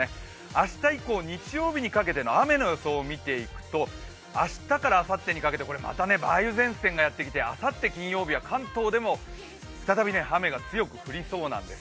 明日以降、日曜日にかけての雨の予想を見ていくと明日からあさってにかけてまた梅雨前線がやってきてあさって金曜日は関東でも雨が強く降りそうなんです。